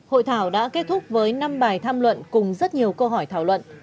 hội thảo đã kết thúc với năm bài tham luận cùng rất nhiều câu hỏi thảo luận